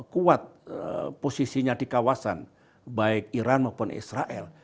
kuat posisinya di kawasan baik iran maupun israel